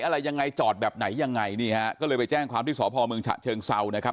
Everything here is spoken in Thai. อะไรยังไงจอดแบบไหนยังไงเนี่ยก็เลยไปแจ้งความที่สพเชิงเศร้านะครับ